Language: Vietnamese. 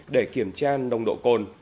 ba bốn hai để kiểm tra nồng độ cồn